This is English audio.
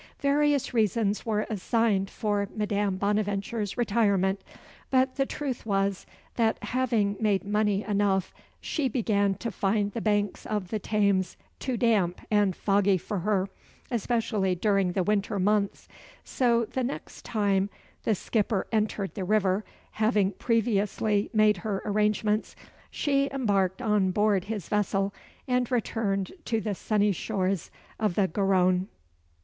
Various reasons were assigned for Madame Bonaventure's retirement; but the truth was, that having made money enough, she began to find the banks of the Thames too damp and foggy for her, especially during the winter months; so the next time the skipper entered the river, having previously made her arrangements, she embarked on board his vessel, and returned to the sunny shores of the Garonne.